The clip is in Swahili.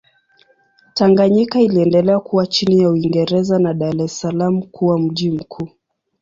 Tanganyika iliendelea kuwa chini ya Uingereza na Dar es Salaam kuwa mji mkuu.